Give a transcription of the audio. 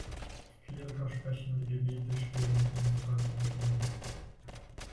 Kleriker sprechen die Gebete stehend, Ministranten kniend.